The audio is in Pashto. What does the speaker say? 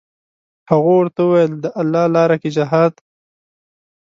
هغو ورته وویل: د الله لاره کې جهاد.